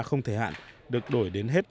không thể hạn được đổi đến hết